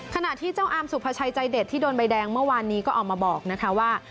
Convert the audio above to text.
ขณะที่เจ้าอามสุภาชัยใจเด็ดที่โดนใบแดงเมื่อวานนี้ก็ออกมาบอกนะคะว่า